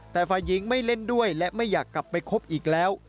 แต่ฝ่ายหญิงไม่เล่นด้วยและไม่อยากกลับไปคบอีกแล้ว